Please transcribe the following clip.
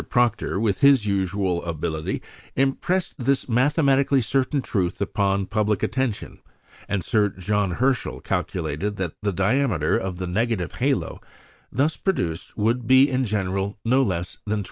Proctor, with his usual ability, impressed this mathematically certain truth upon public attention; and Sir John Herschel calculated that the diameter of the "negative halo" thus produced would be, in general, no less than 23°.